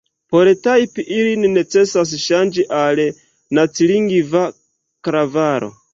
Por tajpi ilin necesas ŝanĝi al nacilingva klavaro.